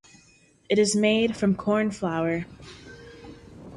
It is made from corn flour.